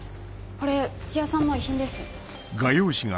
これ土屋さんの遺品です。